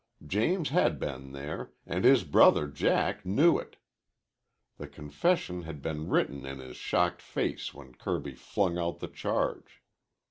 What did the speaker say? James had been there, and his brother Jack knew it. The confession had been written in his shocked face when Kirby flung out the charge.